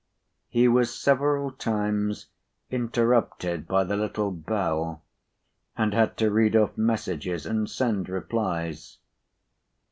He was several times interrupted by the little bell, and had to read off messages, and send replies.